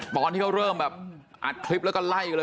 ตอนที่เขาเริ่มแบบอัดคลิปแล้วก็ไล่กันเลย